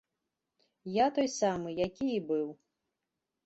Я той самы, які і быў.